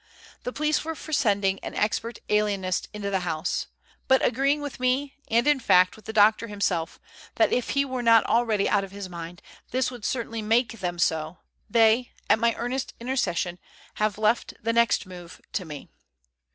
The police were for sending an expert alienist into the house; but agreeing with me, and, in fact, with the doctor himself, that if he were not already out of his mind, this would certainly make them so, they, at my earnest intercession, have left the next move to me.